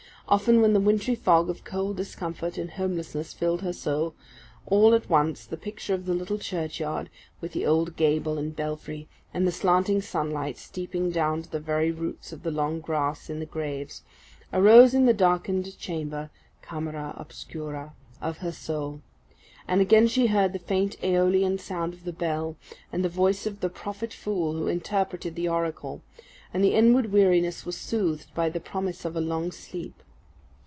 Often when the wintry fog of cold discomfort and homelessness filled her soul, all at once the picture of the little churchyard with the old gable and belfry, and the slanting sunlight steeping down to the very roots of the long grass on the graves arose in the darkened chamber (camera obscura,) of her soul; and again she heard the faint Aeolian sound of the bell, and the voice of the prophet fool who interpreted the oracle; and the inward weariness was soothed by the promise of a long sleep.